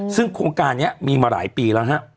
ซึ่งโครงการนี้มีมาหลายปีแล้วฮะ